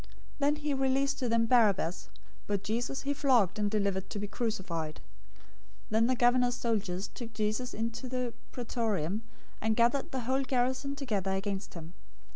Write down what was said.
027:026 Then he released to them Barabbas, but Jesus he flogged and delivered to be crucified. 027:027 Then the governor's soldiers took Jesus into the Praetorium, and gathered the whole garrison together against him.